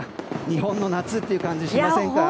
日本の夏って感じしませんか？